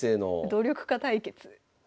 努力家対決。